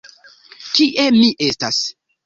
Kie mi estas?